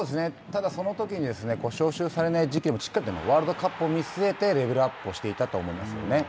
ただ、そのときに、招集されない時期でのしっかりワールドカップを見据えて、レベルアップをしていたと思いますよね。